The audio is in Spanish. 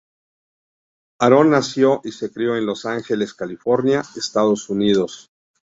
Aron nació y se crio en Los Angeles, California, Estados Unidos.